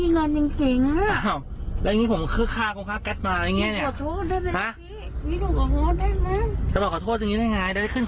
เนี้ยผมจะบอกคนอื่นได้ไหม